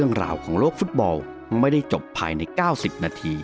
สวัสดีครับ